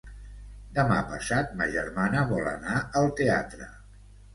Demà passat ma germana vol anar al teatre.